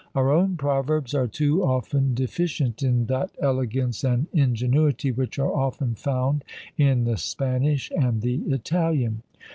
Our own proverbs are too often deficient in that elegance and ingenuity which are often found in the Spanish and the Italian.